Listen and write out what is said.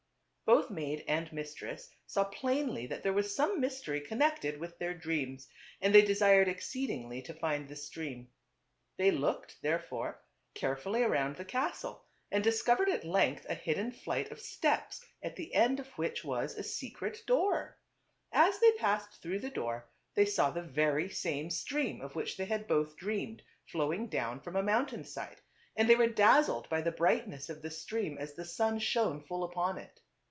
Both maid and mistress saw plainly that there was some mystery connected with their dreams, and they desired exceedingly to find the stream. They looked, therefore, carefully around the castle and discovered at length a hidden flight of steps at the end of which was a secret door. As iji TWO BROTHERS. 285 they passed through the door they saw the very same stream of which they had both dreamed, flowing down from a mountain side ; and they ^ were dazzled by the brightness fr 4 of the stream as the sun shone full upon it.